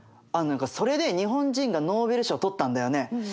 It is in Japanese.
何かそれで日本人がノーベル賞取ったんだよね。